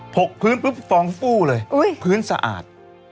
กพื้นปุ๊บฟองฟู้เลยพื้นสะอาด